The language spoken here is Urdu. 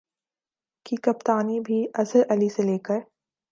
کی کپتانی بھی اظہر علی سے لے کر